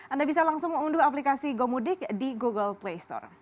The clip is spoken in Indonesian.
anda bisa langsung mengunduh aplikasi gomudik di google play store